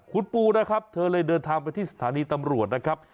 คุณปูนะครับเธอเลยเดินทางไปที่สถานีตำรวจนะครับ